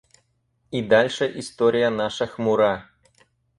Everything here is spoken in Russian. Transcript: И дальше история наша хмура.